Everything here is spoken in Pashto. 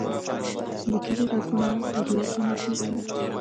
د کلی غږونه طبیعت ته نږدې کوي